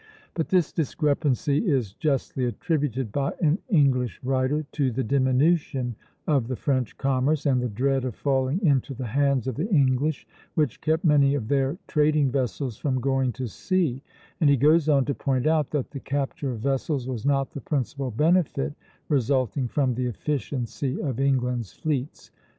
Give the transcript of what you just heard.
" But this discrepancy is justly attributed by an English writer "to the diminution of the French commerce and the dread of falling into the hands of the English, which kept many of their trading vessels from going to sea;" and he goes on to point out that the capture of vessels was not the principal benefit resulting from the efficiency of England's fleets.